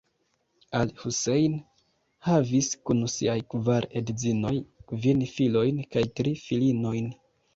Al-Husejn havis kun siaj kvar edzinoj kvin filojn kaj tri filinojn.